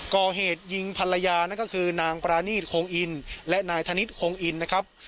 ก่อเหตุยิงภรรยานั่นก็คือนางปรานีตโคงอินและนายธนิษฐโคงอินนะครับ